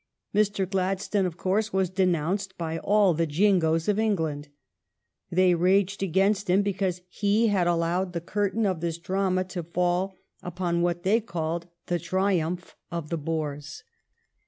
Mr. Glad stone, of course, was denounced by all the Jingoes of England. They raged against him because he had allowed the curtain of this drama to fall upon what they called the triumph of the Boers.